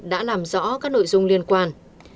đã làm rõ các nội dung liên quan